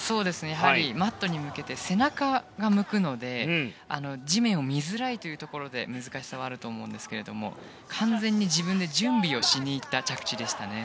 やはりマットに向けて背中が向くので地面を見づらいというところで難しさはあると思いますが完全に自分で準備をしにいった着地でしたね。